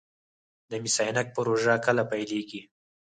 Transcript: د مس عینک پروژه کله پیلیږي؟